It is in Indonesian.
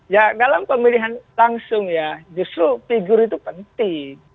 ya dalam pemilihan langsung ya justru figur itu penting